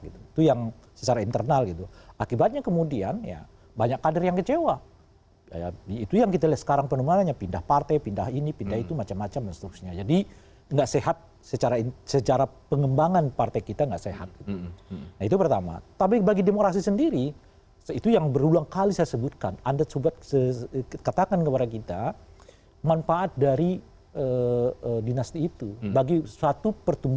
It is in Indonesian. bukan berarti kemudian tidak boleh kita tolak begitu